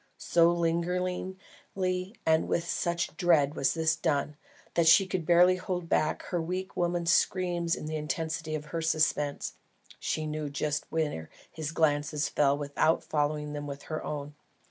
So lingeringly and with such dread was this done, that she could barely hold back her weak woman's scream in the intensity of her suspense. She knew just where his glances fell without following them with her own.